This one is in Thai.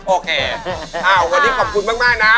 โอเควันนี้ขอบคุณมากนะ